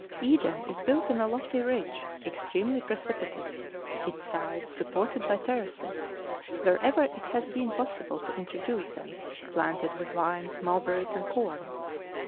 Eden is built on a lofty ridge, extremely pre¬ cipitous, its sides supported by terraces, wherever it has been possible to introduce them, planted with vines, mulberries, and corn.